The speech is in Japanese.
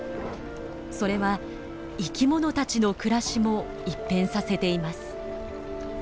それは生きものたちの暮らしも一変させています。